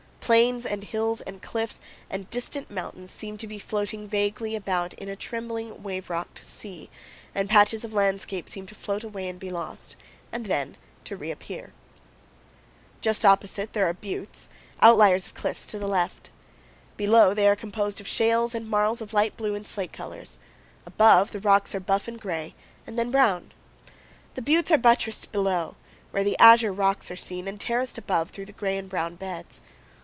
Plains and hills and cliffs and distant mountains seem to be floating vaguely about in a trembling, wave rocked sea, and patches of landscape seem to float away and be lost, and then to reappear. Just opposite, there are buttes, outliers of cliffs to the left. Below, they are composed of shales and marls of light blue and slate colors; above, the rocks are buff and gray, and then brown. The buttes are buttressed below, where the azure rocks are seen, and terraced above through the gray and brown beds.